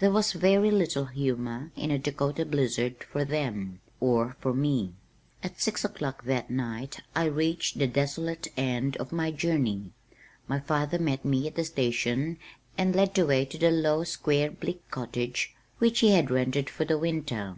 There was very little humor in a Dakota blizzard for them or for me. At six o'clock that night I reached the desolate end of my journey. My father met me at the station and led the way to the low square bleak cottage which he had rented for the winter.